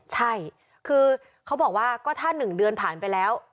ใช่คือเขาบอกว่าก็ถ้า๑เดือนผ่านไปแล้ว